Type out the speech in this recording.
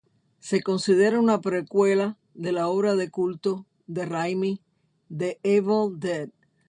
Se considera una precuela de la obra de culto de Raimi, "The Evil Dead".